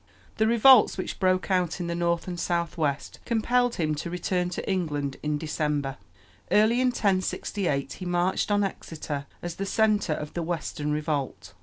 The revolts which broke out in the north and southwest compelled him to return to England in December. Early in 1068 he marched on Exeter, as the centre of the western revolt.